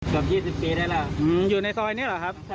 เกือบ๒๐ปีได้แล้วอยู่ในซอยนี้เหรอครับ